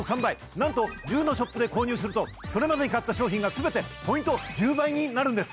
なんと１０のショップで購入するとそれまでに買った商品が全てポイント１０倍になるんです！